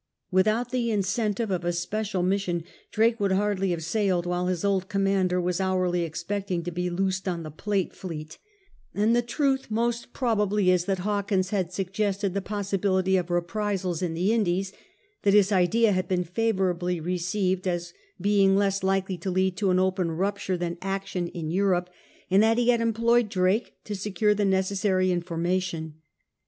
Without the incentive of a special niissioSi Drakfr would hardly have sailed while his old commander was hourly expecting to be loosed on the Plate fleet ; and the truth most probably is that Hawkins had suggested the possibility of reprisals in the Indies, that his idea had been favourably received as being less likely to lead to an open rupture than action in Europe, and that he had employed Drake to secure the necessary information.